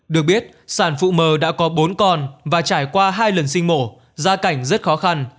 được biết sản phụ mờ đã có bốn con và trải qua hai lần sinh mổ gia cảnh rất khó khăn